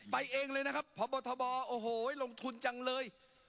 เองเลยนะครับพบทบโอ้โหลงทุนจังเลย